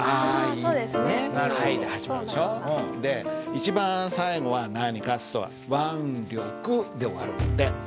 一番最後は何かっていうと「腕力」で終わるんだって。